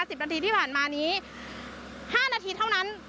สิบนาทีที่ผ่านมานี้ห้านาทีเท่านั้น